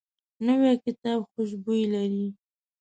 نوی کتاب خوشبو لري